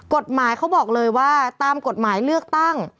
กฎหมายเขาบอกเลยว่าตามกฎหมายเลือกตั้ง